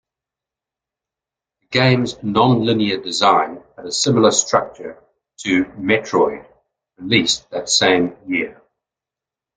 The game's non-linear design had a similar structure to "Metroid" released that same year.